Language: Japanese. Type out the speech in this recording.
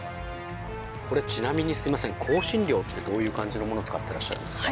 これちなみにすいません香辛料ってどういう感じのもの使ってらっしゃるんですか？